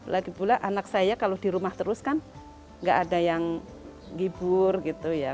lagipula anak saya kalau di rumah terus kan nggak ada yang hibur gitu ya